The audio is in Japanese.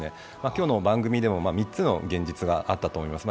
今日の番組でも３つの現実があったと思います。